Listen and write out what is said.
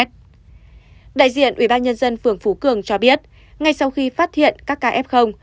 đại diện ubnd phường phú cường cho biết ngay sau khi phát hiện các kf